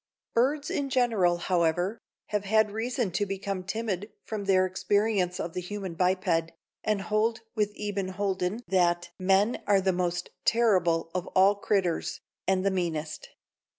Birds in general, however, have had reason to become timid from their experience of the human biped, and hold with Eben Holden that "Men are the most terrible of all critters, an' the meanest.